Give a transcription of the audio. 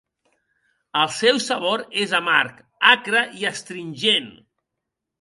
El seu sabor és amarg, acre i astringent.